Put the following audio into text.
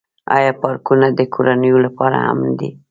آیا پارکونه د کورنیو لپاره امن دي؟